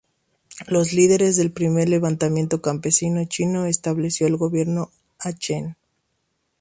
Los líderes del primer levantamiento campesino chino estableció el gobierno a Chen.